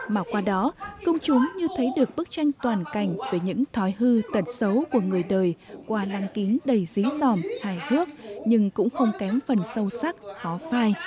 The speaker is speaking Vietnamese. mà qua đó công chúng như thấy được bức tranh toàn cảnh về những thói hư tật xấu của người đời qua lan kính đầy dí dòm hài hước nhưng cũng không kém phần sâu sắc khó phai